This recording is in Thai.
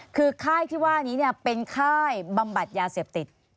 คือค่ายที่ว่านี้เป็นค่ายบำบัดยาเสพติด